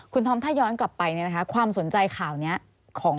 คุณธอมถ้าย้อนกลับไปเนี่ยนะคะความสนใจข่าวนี้ของ